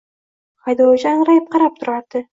Haydovchi angrayib qarab turardi.